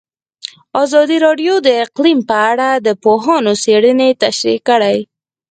ازادي راډیو د اقلیم په اړه د پوهانو څېړنې تشریح کړې.